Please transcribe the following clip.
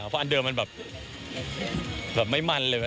เพราะอันเดิมมันแบบไม่มันเลย